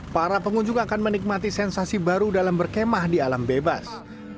para pengunjung akan menikmati sensasi baru dalam berkemah di alam bebas